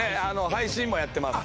配信もやってます